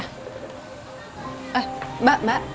eh mbak mbak